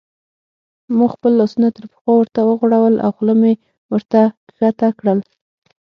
ما خپل لاسونه تر پخوا ورته وغوړول او خوله مې ورته کښته کړل.